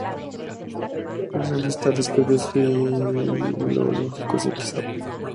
Revista de Estudios Filológicos, X, pp.